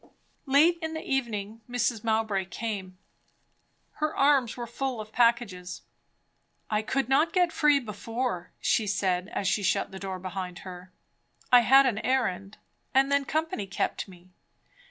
Late in the evening Mrs. Mowbray came. Her arms were full of packages. "I could not get free before," she said, as she shut the door behind her. "I had an errand and then company kept me.